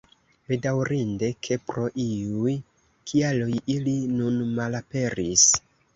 Bedaŭrinde, ke pro iuj kialoj ili nun malaperis.